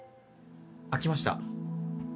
開きました。